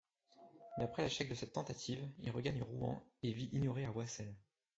Mais après l'échec de cette tentative, il regagne Rouen et vit ignoré à Oissel.